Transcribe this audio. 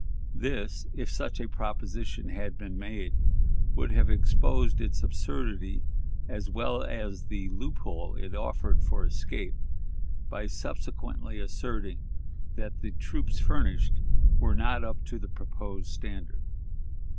This, if such a proposition had been made, would have exposed its absurdity, as well as the loophole it offered for escape, by subsequently asserting that the troops furnished were not up to the proposed standard.